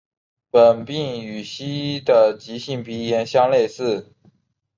本病与西医的急性鼻炎相类似。